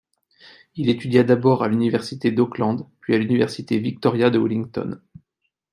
Il étudia d'abord à l'université d'Auckland, puis à l'université Victoria de Wellington.